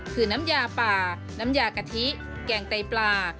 คือน้ำยาป่าน้ำยากะทิแกงไตปลา